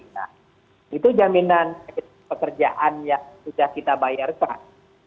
nah itu jaminan pekerjaan yang sudah kita bayar pak